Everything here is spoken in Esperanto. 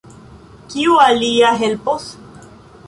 Kiu alia helpos?